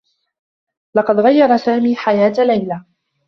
لقد غيّر سامي حياة ليلى.